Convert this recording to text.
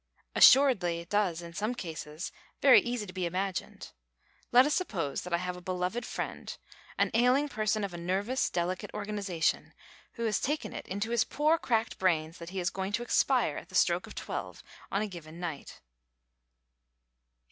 Assuredly it does in some cases, very easy to be imagined. Let us suppose that I have a beloved friend, an ailing person of a nervous, delicate organisation, who has taken it into his poor cracked brains that he is going to expire at the stroke of twelve on a given night.